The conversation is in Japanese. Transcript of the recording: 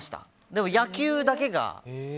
でも野球だけが。